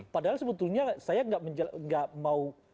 padahal sebetulnya saya nggak mau